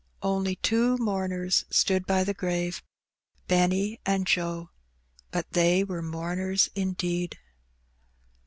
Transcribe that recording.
Only two mourners stood by the grave, Benny and Joe, but they were mourners indeed.